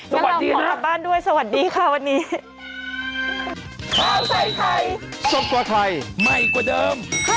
สวัสดีนะสวัสดีค่ะวันนี้ขอกลับบ้านด้วยสวัสดี